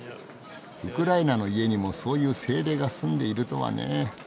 ウクライナの家にもそういう精霊がすんでいるとはねえ。